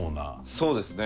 そうですね。